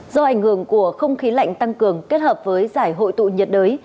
do ảnh hưởng của không khí lạnh tăng cường kết hợp với giải hội tụ nhiệt đới